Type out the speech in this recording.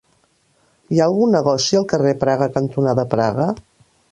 Hi ha algun negoci al carrer Praga cantonada Praga?